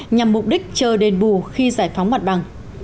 nhằm mục đích chờ đền bù khi giải phóng mặt bằng